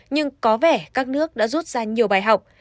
nhưng có vẻ các nước đã rút ra nhiều bài học